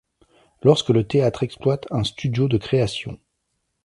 Lorsque le théâtre exploite un studio de création.